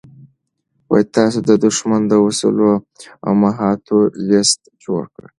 تاسو د دښمن د وسلو او مهماتو لېست جوړ کړئ.